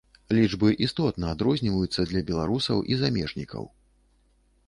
Лічбы істотна адрозніваюцца для беларусаў і замежнікаў.